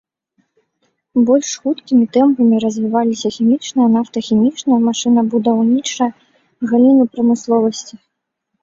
Больш хуткімі тэмпамі развіваліся хімічная, нафтахімічная, машынабудаўнічая галіны прамысловасці.